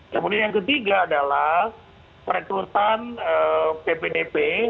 kemudian yang ketiga adalah rekrutan ppdb